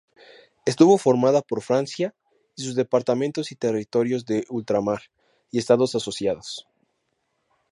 Estuvo formada por Francia y sus departamentos y territorios de ultramar y estados asociados.